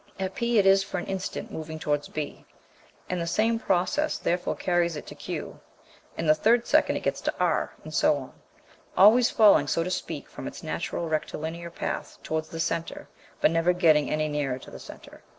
At P it is for an instant moving towards B, and the same process therefore carries it to Q; in the third second it gets to R; and so on: always falling, so to speak, from its natural rectilinear path, towards the centre, but never getting any nearer to the centre.